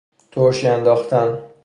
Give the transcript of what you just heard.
ترشی انداختن